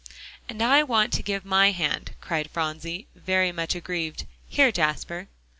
"And I want to give my hand," cried Phronsie, very much aggrieved. "Here, Jasper."